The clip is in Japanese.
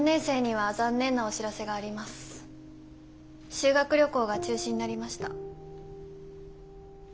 修学旅行が中止になりました。